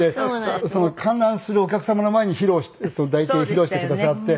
観覧するお客様の前に抱いて披露してくださって。